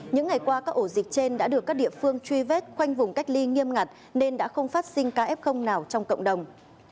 những ngày qua các ổ dịch trên đã được các địa phương truy vết khoanh vùng cách ly nghiêm ngặt nên đã không phát sinh ca f nào trong cộng đồng